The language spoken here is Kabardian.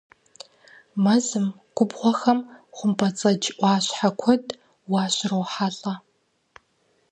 Мэзым, губгъуэхэм хъумпӏэцӏэдж ӏуащхьэ куэд уащрохьэлӏэ.